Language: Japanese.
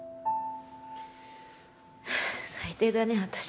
最低だね私。